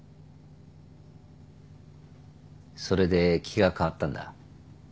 それで気が変わったんだ。